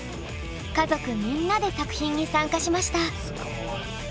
家族みんなで作品に参加しました。